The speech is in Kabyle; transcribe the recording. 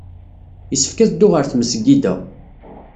Yessefk ad dduɣ ɣer tmesgida.